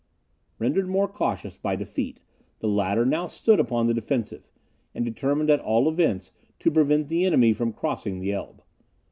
Rendered more cautious by defeat, the latter now stood upon the defensive; and determined at all events to prevent the enemy from crossing the Elbe.